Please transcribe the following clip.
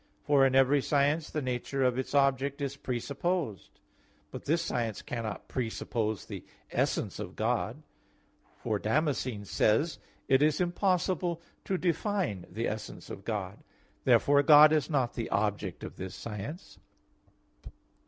For in every science, the nature of its object is presupposed. But this science cannot presuppose the essence of God, for Damascene says (De Fide Orth. i, iv): "It is impossible to define the essence of God." Therefore God is not the object of this science.